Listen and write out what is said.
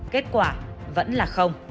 kết quả vẫn là